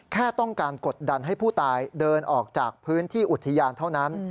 แค่ต้องการกดดันให้ผู้ตายเดินออกจากพื้นที่อุทยานเท่านั้น